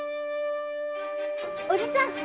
おじさん